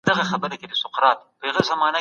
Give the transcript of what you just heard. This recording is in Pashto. که څوک استقامت ونه لري، د شيطان هڅې اغېزمنه کېږي.